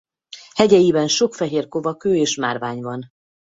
Hegyeiben sok fehér kovakő és márvány van.